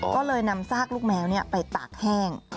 ก็เลยนำซากลูกแมวไปตากแห้ง